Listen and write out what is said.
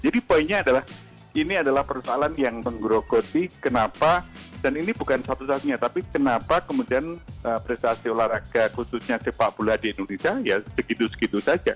jadi poinnya adalah ini adalah persoalan yang menggerogosi kenapa dan ini bukan satu satunya tapi kenapa kemudian prestasi olahraga khususnya sepak bola di indonesia ya segitu segitu saja